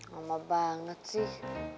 gama banget sih